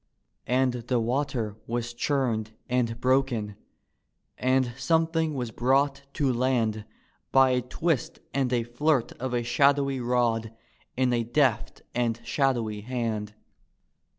And the water was chunied and broken, and something was brought to land By a twist and a flirt of a shadowy rod in a deft and shadowy hand.